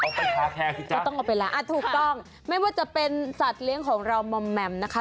เอาไปคาแครสิจ๊ะอ่าถูกต้องไม่ว่าจะเป็นสัตว์เลี้ยงของเรามัมแมมนะคะ